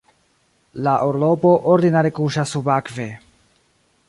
La orlopo ordinare kuŝas subakve.